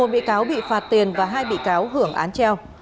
một mươi một bị cáo bị phạt tiền và hai bị cáo hưởng án treo